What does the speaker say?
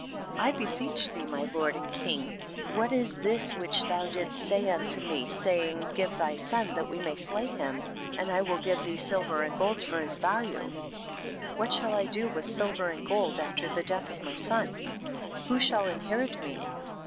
I beseech thee, my lord and king, what is this which thou didst say unto me, saying, give thy son that we may slay him, and I will THE BOOK OF JASHER. 21 give thee silver ai)d gold for his value ; what shall I do with silver and gold after the death of my son ? who shall inherit me